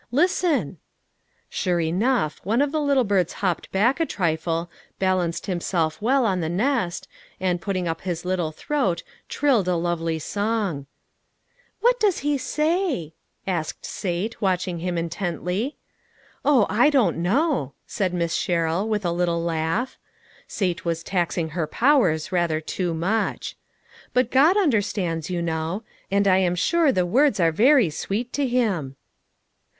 Listen." AN OEDEAL. 301 Sure enough, one of the little birds hopped back a trifle, balanced himself well on the nest, and, putting up his little throat, trilled a lovely song. " What does he say ?" asked Sate, watching him intently. " Oh, I don't know," said Miss Sherrill, with a little laugh. Sate was taxing her powers rather too much. " But God understands, you know ; and I am sure the words are very sweet to him."